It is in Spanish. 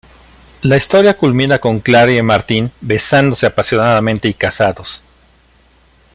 La historia culmina con Clara y Martín besándose apasionadamente y casados.